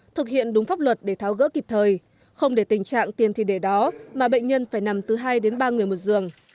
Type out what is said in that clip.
thực hiện đúng pháp luật để tháo gỡ kịp thời không để tình trạng tiền thi đề đó mà bệnh nhân phải nằm từ hai đến ba người một giường